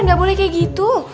nggak boleh kayak gitu